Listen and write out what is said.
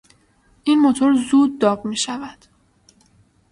این موتور زود داغ میشود.